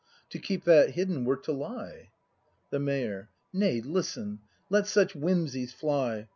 To keep that hidden were to lie. The Mayor. Nay, listen, — let such whimsies fly!